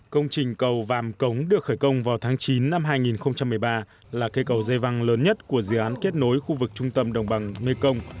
công trình cầu vàm cống được khởi công vào tháng chín năm hai nghìn một mươi ba là cây cầu dây văng lớn nhất của dự án kết nối khu vực trung tâm đồng bằng mê công